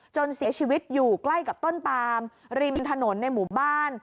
เสียชีวิตอยู่ใกล้กับต้นปามริมถนนในหมู่บ้าน